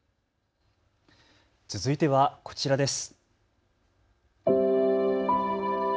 続いては、こちらです。